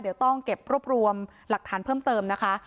เดี๋ยวต้องเก็บรวบรวมหลักฐานเพิ่มเติมนะคะ